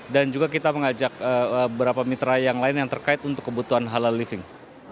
dan juga kita mengajak beberapa mitra yang lain yang terkait untuk kebutuhan halal living